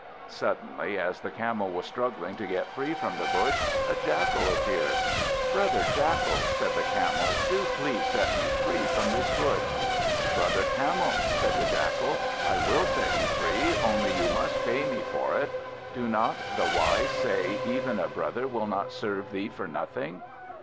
Suddenly, as the Camel was struggling to get free from the bush, a Jackal appeared. "Brother Jackal," said the Camel, "do please set me free from this bush." "Brother Camel," said the Jackal, "I will set you free, only you must pay me for it. Do not the wise say, 'Even a brother will not serve thee for nothing'?"